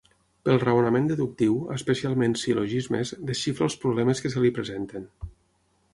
Pel raonament deductiu, especialment sil·logismes, desxifra els problemes que se li presenten.